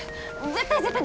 絶対絶対！